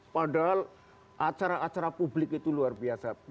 padahal acara acara publik itu luar biasa